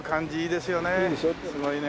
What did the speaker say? すごいね。